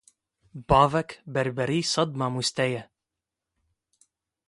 Bavek, berberî sed mamosteyî ye.